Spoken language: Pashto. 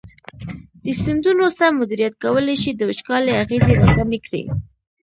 د سیندونو سم مدیریت کولی شي د وچکالۍ اغېزې راکمې کړي.